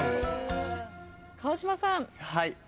川島さん。